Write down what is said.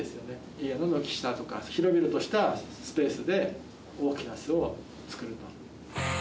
家の軒下とか広々としたスペースで大きな巣を作ると。